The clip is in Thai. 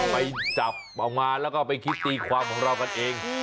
ไปจับออกมาแล้วก็ไปคิดตีความของเรากันเอง